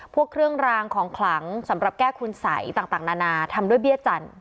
พวกเครื่องรางของขลังสำหรับแก้คุณสัยต่างนานาทำด้วยเบี้ยจันท